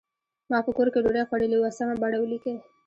ما په کور کې ډوډۍ خوړلې وه سمه بڼه ولیکئ.